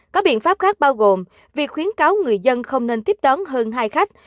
có biện pháp khác bao gồm việc khuyến cáo người dân không nên tiếp đón hơn hai khách